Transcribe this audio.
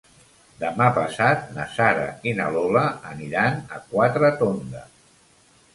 Demà passat na Sara i na Lola aniran a Quatretonda.